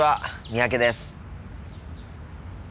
三宅です。